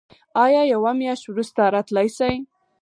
ایا یوه میاشت وروسته راتلی شئ؟